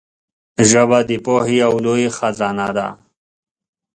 ژبه د پوهې یو لوی خزانه ده